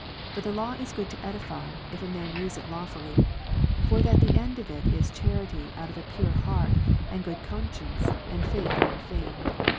But the law is I'xim. good to edify, if a man use it laufully : for that the end of it l» 8 5. is charity, out of a pure heart and good conscience, and faith unfeigned.